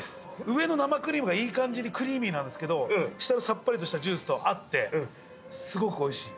上の生クリームがいい感じにクリーミーなんですけど下のさっぱりとしたジュースと合ってすごくおいしい。